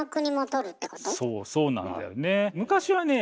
そうそうなんだよね。